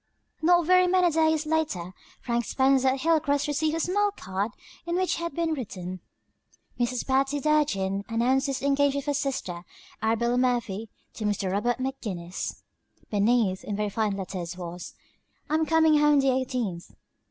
Not very many days later Frank Spencer at Hilcrest received a small card on which had been written: "Mrs. Patty Durgin announces the engagement of her sister, Arabella Murphy, to Mr. Robert McGinnis." Beneath, in very fine letters was: "I'm coming home the eighteenth.